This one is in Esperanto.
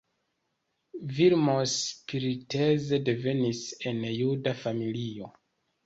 Vilmos Pillitz devenis el juda familio.